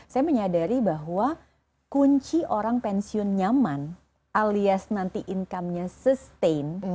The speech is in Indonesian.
saya menyadari bahwa kunci orang pensiun nyaman alias nanti income nya sustain